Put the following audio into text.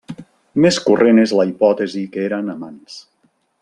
Més corrent és la hipòtesi que eren amants.